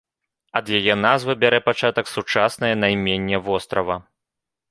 Ад яе назвы бярэ пачатак сучаснае найменне вострава.